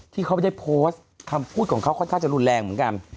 ที่เขาได้โพสต์คำพูดของเขาค่อนข้างจะรุนแรงเหมือนกัน